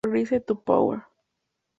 Rise to Power